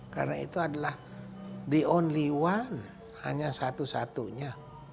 karena itu adalah the only one hanya satu satunya